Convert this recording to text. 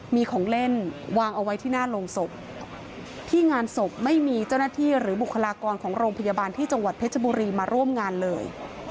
มีของเล่นวางเอาไว้ที่หน้าโรงศพที่งานศพไม่มีเจ้าหน้าที่หรือบุคลากรของโรงพยาบาลที่จังหวัดเพชรบุรีมาร่วมงานเลย